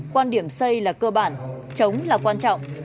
quan điểm xây là cơ bản chống là quan trọng